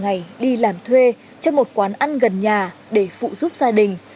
ngày đi làm thuê cho một quán ăn gần nhà để phụ giúp gia đình